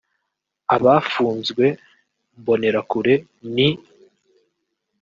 Abafunzwe [Mbonerakure] ni